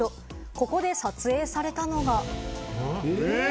ここで撮影されたのが。